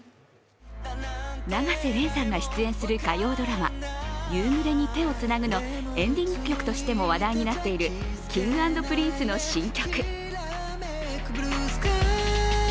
永瀬廉さんが出演する火曜ドラマ「夕暮れに、手をつなぐ」のエンディング曲としても話題になっているＫｉｎｇ＆Ｐｒｉｎｃｅの新曲。